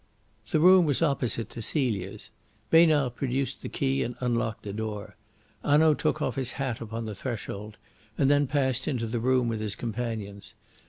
The room was opposite to Celia's. Besnard produced the key and unlocked the door. Hanaud took off his hat upon the threshold and then passed into the room with his companions.